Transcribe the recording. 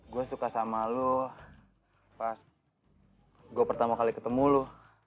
gue suka sama lo pas gue pertama kali ketemu lo